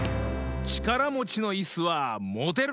ちからもちのいすはもてる！